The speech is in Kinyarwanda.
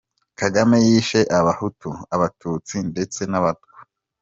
Kagame yishe abahutu, abatutsi ndetse n’abatwa.